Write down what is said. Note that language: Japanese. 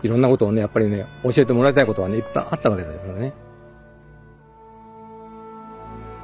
やっぱりね教えてもらいたいことはねいっぱいあったわけですからね。